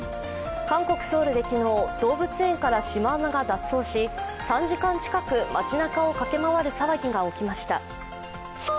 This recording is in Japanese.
韓国・ソウルで昨日、動物園からシマウマが脱走し、３時間近く街なかを駆け回る騒ぎが起きました。